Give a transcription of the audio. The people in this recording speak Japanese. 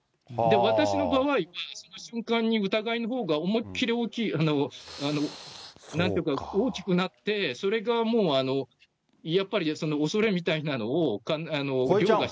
私の場合、その瞬間に疑いのほうが思いっきり大きい、なんていうか、大きくなって、それがもう、やっぱり、だから、結局。